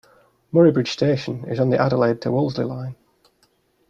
Murray Bridge station is on the Adelaide to Wolseley line.